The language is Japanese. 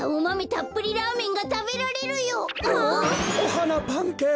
おはなパンケーキだよ。